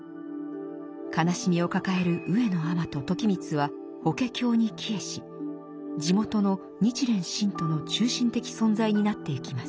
悲しみを抱える上野尼と時光は「法華経」に帰依し地元の日蓮信徒の中心的存在になっていきます。